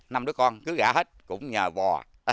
năm đứa con cứu gã hết cũng nhờ bò